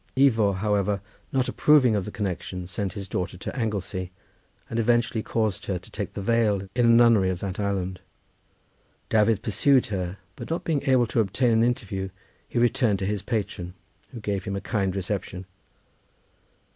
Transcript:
Ifor, however, not approving of the connection, sent his daughter to Anglesey and eventually caused her to take the veil in a nunnery of that island. Dafydd pursued her, but not being able to obtain an interview he returned to his patron, who gave him a kind reception.